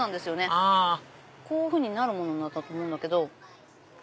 あこういうふうになるものだったと思うんだけど。